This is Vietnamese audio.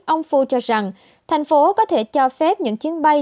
ông fu cho rằng thành phố có thể cho phép những chuyến bay